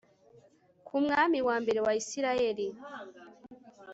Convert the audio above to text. ku mwami wa mbere wa isirayeli